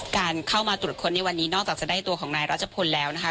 การเข้ามาตรวจค้นในวันนี้นอกจากจะได้ตัวของนายรัชพลแล้วนะคะ